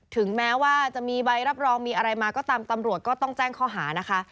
ถึงแม้ว่าจะมีใบรับรองมีอะไรมาก็ตามตำรวจก็ต้องแจ้งข้อหานะคะ